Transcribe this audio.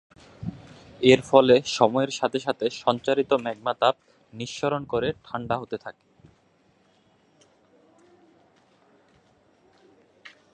এর ফলে সময়ের সাথে সাথে সঞ্চারিত ম্যাগমা তাপ নিঃসরণ করে ঠান্ডা হতে থাকে।